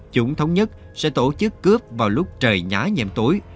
chúng thống nhất sẽ tổ chức cướp vào lúc trời nhá nhem tối